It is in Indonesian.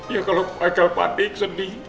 ya kalau michael panik sedih